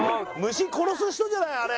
虫殺す人じゃないあれ。